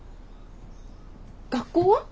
学校は？